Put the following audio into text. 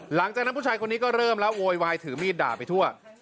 หลังจากนั้นผู้ชายคนนี้ก็เริ่มแล้วโวยวายถือมีดด่าไปทั่ว